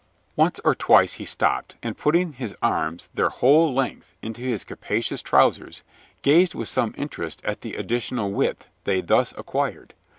Once or twice he stopped, and putting his arms their whole length into his capacious trousers, gazed with some interest at the additional width they thus acquired.